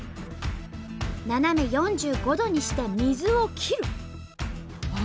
斜め４５度にして水を切る。